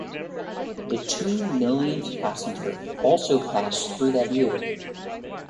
The two millionth passenger also passed through that year.